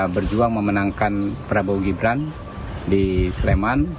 berjuang memenangkan prabowo gibran di sleman